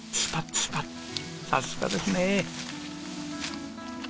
さすがですね！